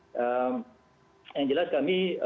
nah yang jelas kami